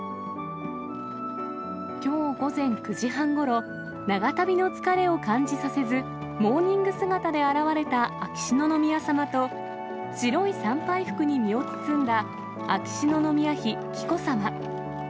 きょう午前９時半ごろ、長旅の疲れを感じさせず、モーニング姿で現れた秋篠宮さまと、白い参拝服に身を包んだ秋篠宮妃紀子さま。